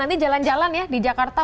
nanti jalan jalan ya di jakarta